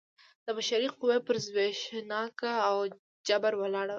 د بشري قوې پر زبېښاک او جبر ولاړ و.